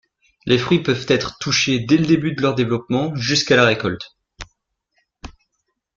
Les fruits peuvent être touchés dès le début de leur développement jusqu'après la récolte.